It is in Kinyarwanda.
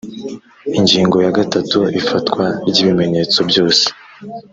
ingingo ya gatatu ifatwa ry ibimenyetso byose